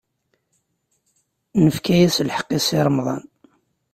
Nefka-as lḥeqq i Si Remḍan.